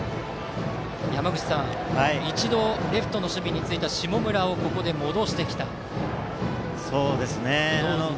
一度、レフトの守備についた下村ここで戻してきた。